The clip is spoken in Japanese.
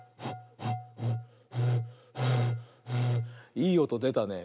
いいおとでたね。